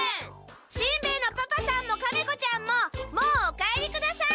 しんべヱのパパさんもカメ子ちゃんももうお帰りください。